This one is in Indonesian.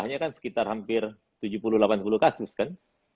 hanya kan sekitar hampir tujuh puluh delapan puluh kasus kan